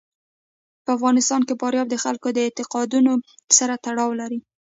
په افغانستان کې فاریاب د خلکو د اعتقاداتو سره تړاو لري.